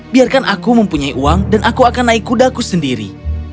biarkan aku mempunyai uang dan aku akan naik kudaku sendiri